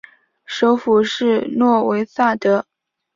首府是诺维萨德。